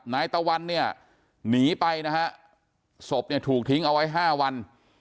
นายตะวันเนี่ยหนีไปนะฮะศพเนี่ยถูกทิ้งเอาไว้๕วัน